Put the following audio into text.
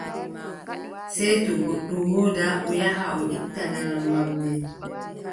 Sey to goɗɗo woodaa, o yaha o itta laral wamnde.